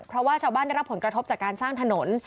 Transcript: เพราะว่าชาวบ้านได้รับผลกระทบจากการสร้างถนน